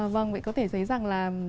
vâng vậy có thể thấy rằng là